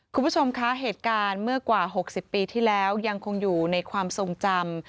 คุณผู้ชมคะเหตุการณ์เมื่อกว่า๖๐ปีที่แล้วยังคงอยู่ในความทรงจำ